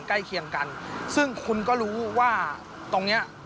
ใกล้เคียงกันซึ่งคุณก็รู้ว่าตรงเนี้ย